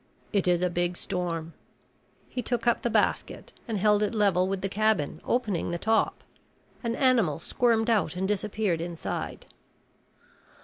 "It is a big storm." He took up the basket and held it level with the cabin, opening the top. An animal squirmed out and disappeared inside.